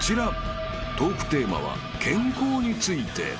［トークテーマは健康について］